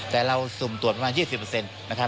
แต่เราสุ่มตรวจประมาณ๒๐นะครับ